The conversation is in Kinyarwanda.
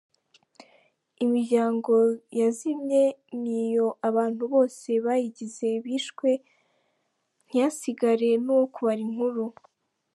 Imiryango yazimye ni iyo abantu bose bayigize bishwe ntihasigare n’uwo kubara inkuru.